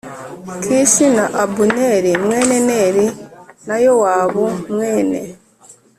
Kishi na abuneri mwene neri na yowabu mwene